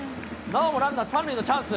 なおもランナー３塁のチャンス。